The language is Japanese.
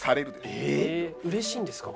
うれしいんですか？